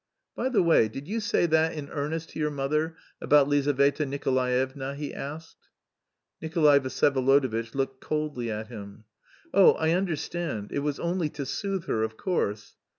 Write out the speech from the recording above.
"By the way, did you say that in earnest to your mother, about Lizaveta Nikolaevna?" he asked. Nikolay Vsyevolodovitch looked coldly at him. "Oh, I understand, it was only to soothe her, of course."